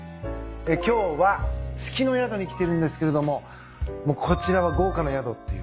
今日は月の宿に来てるんですけれどももうこちらは豪華な宿っていうか。